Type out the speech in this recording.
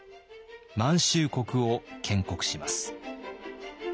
満州国を建国します。